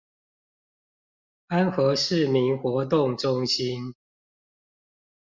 安和市民活動中心